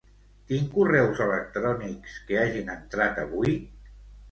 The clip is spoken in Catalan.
Tinc correus electrònics que hagin entrat avui?